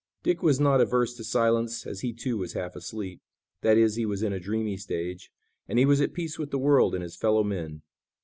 Dick was not averse to silence, as he, too, was half asleep; that is, he was in a dreamy stage, and he was at peace with the world and his fellow men.